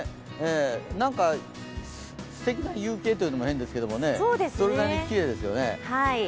なんか、すてきな夕景というのも変ですけどね、それぐらいきれいですよね。